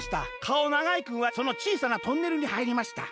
かおながいくんはそのちいさなトンネルにはいりました。